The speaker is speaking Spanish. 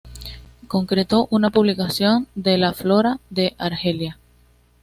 Concretó una publicación de la Flora de Argelia.